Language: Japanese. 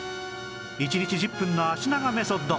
１日１０分の脚長メソッド